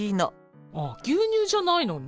ああ牛乳じゃないのね。